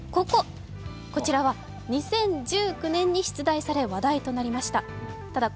こちらは２０１９年に出題され話題となりました。